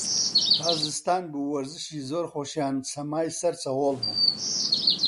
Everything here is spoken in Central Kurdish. تا زستان بوو، وەرزشی زۆر خۆشیان سەمای سەر سەهۆڵ بوو